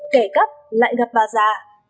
kẻ cắt lại gặp bà già